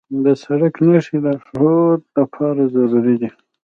د سړک نښې د لارښود لپاره ضروري دي.